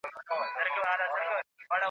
څوک دی چي دلته زموږ قاتل نه دی !.